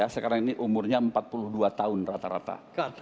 sekarang ini umurnya empat puluh dua tahun rata rata